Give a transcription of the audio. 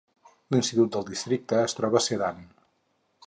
L'institut del districte es troba a Sedan.